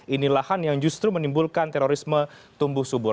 ini lahan yang justru menimbulkan terorisme tumbuh subur